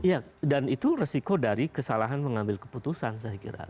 ya dan itu resiko dari kesalahan mengambil keputusan saya kira